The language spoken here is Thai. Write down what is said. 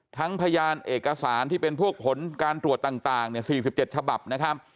พยานเอกสารที่เป็นพวกผลการตรวจต่าง๔๗ฉบับนะครับ